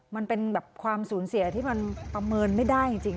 มันเป็นแบบความสูญเสียที่มันประเมินไม่ได้จริง